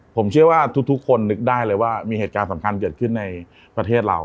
ผมเชื่อว่าทุกคนนึกได้เลยว่ามีเหตุการณ์สำคัญเกิดขึ้นในประเทศเรา